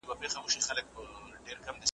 زه د لمر په کجاوه کي د سپوږمۍ تر کلي ولاړم .